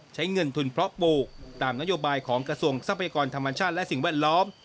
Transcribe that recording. ใช้เงินทุนเพราะปลูกตามนโยบายของกระทรวงทรัพยากรธรรมชาติและสิ่งแวดล้อม